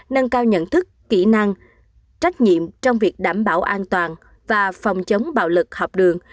nâng cao nhận thức kỹ năng trách nhiệm trong việc đảm bảo an toàn và phòng chống bạo lực học đường